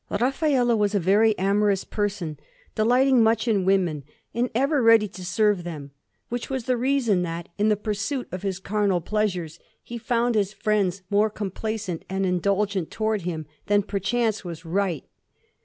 Raffaello was a very amorous person, delighting much in women, and ever ready to serve them; which was the reason that, in the pursuit of his carnal pleasures, he found his friends more complacent and indulgent towards him than perchance was right.